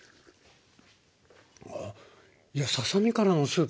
あっいやささ身からのスープ？